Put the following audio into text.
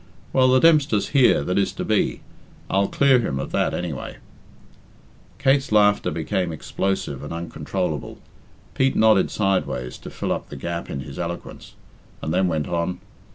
Well, the Dempster's here that is to be I'll clear him of that, anyway." Kate's laughter became explosive and uncontrollable. Pete nodded sideways to fill up the gap in his eloquence, and then went on.